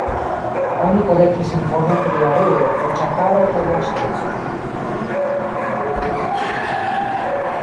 Oni kolektis informon pri areo, loĝantaro kaj loĝdenso.